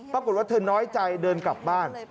ปรากฏว่าเธอน้อยใจเดินกลับบ้าน